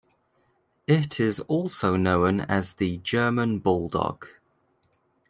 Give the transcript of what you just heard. It is also known as the German Bulldog.